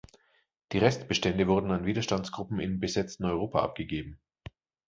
Die Restbestände wurden an Widerstandsgruppen im besetzten Europa abgegeben.